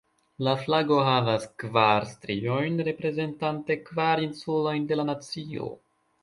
La flago havas kvar striojn, reprezentante kvar insulojn de la nacio.